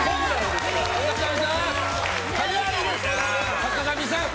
坂上さん。